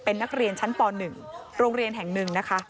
เป็นนักเรียนชั้นป๑โรงเรียนแห่งหนึ่งนะคะ